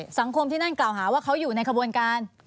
สังคมที่นั่นกล่าวหาว่าเขาอยู่ในขบวนการ